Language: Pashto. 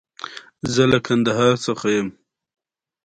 هر پښتون دې ووايي پښتو زما مورنۍ ژبه ده.